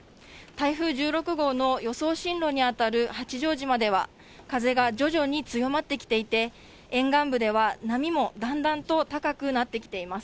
台風１６号の予想進路に当たる八丈島では、風が徐々に強まってきていて、沿岸部では波もだんだんと高くなってきています。